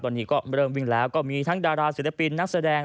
ตอนนี้ก็เริ่มวิ่งแล้วก็มีทั้งดาราศิลปินนักแสดง